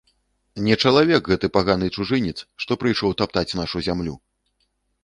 Не чалавек гэты паганы чужынец, што прыйшоў таптаць нашу зямлю!